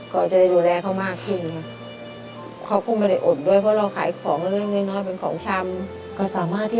ก็จะได้ดูแลเขามาก่อน